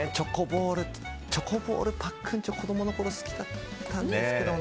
チョコボール、パックンチョ子供のころ好きだったんですけどね。